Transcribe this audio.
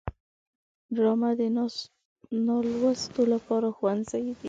ډرامه د نالوستو لپاره ښوونځی دی